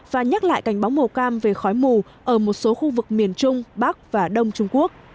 và nhắc lại cảnh báo màu cam về khói mù ở một số khu vực miền trung bắc và đông trung quốc